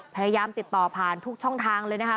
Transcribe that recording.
พยายามติดต่อผ่านทุกช่องทางเลยนะคะ